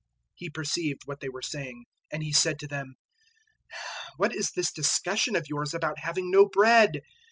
008:017 He perceived what they were saying, and He said to them, "What is this discussion of yours about having no bread?